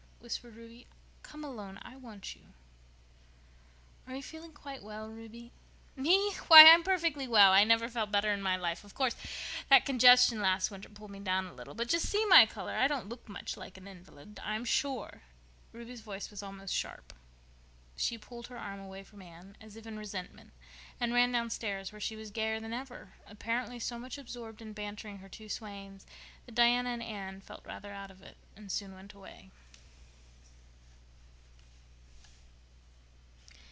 whispered Ruby. "Come alone—I want you." "Are you feeling quite well, Ruby?" "Me! Why, I'm perfectly well. I never felt better in my life. Of course, that congestion last winter pulled me down a little. But just see my color. I don't look much like an invalid, I'm sure." Ruby's voice was almost sharp. She pulled her arm away from Anne, as if in resentment, and ran downstairs, where she was gayer than ever, apparently so much absorbed in bantering her two swains that Diana and Anne felt rather out of it and soon went away.